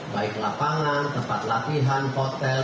baik lapangan tempat latihan hotel